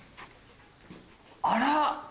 あら！